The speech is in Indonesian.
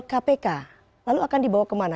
kpk lalu akan dibawa kemana